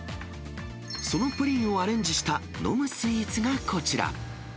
そのプリンをアレンジした飲むスイーツがこちら。